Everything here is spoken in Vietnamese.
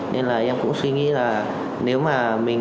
nên là em cũng suy nghĩ là nếu mà